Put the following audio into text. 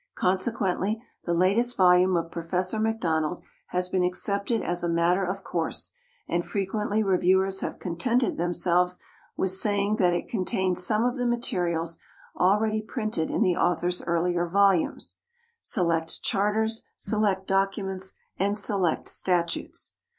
Consequently, the latest volume of Professor MacDonald has been accepted as a matter of course; and frequently reviewers have contented themselves with saying that it contained some of the materials already printed in the author's earlier volumes "Select Charters," "Select Documents," and "Select Statutes."